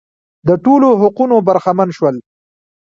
د ټولو حقونو برخمن شول.